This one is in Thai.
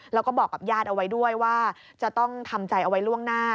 แล้วก็บอกกับญาติเอาไว้ด้วยว่าจะต้องทำใจเอาไว้ล่วงหน้า